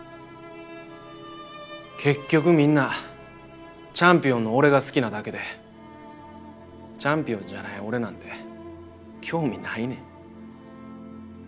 結局みんなチャンピオンの俺が好きなだけでチャンピオンじゃない俺なんて興味ないねん。